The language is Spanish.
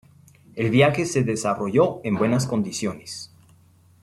El viaje se desarrolló en buenas condiciones.